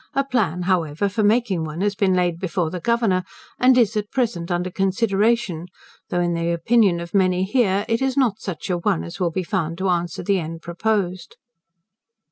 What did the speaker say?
A plan, however, for making one has been laid before the Governor, and is at present under consideration, though (in the opinion of many here) it is not such an one as will be found to answer the end proposed.